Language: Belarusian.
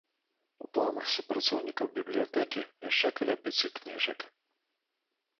У планах супрацоўнікаў бібліятэкі яшчэ каля пяці кніжак.